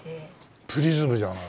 プリズムじゃない。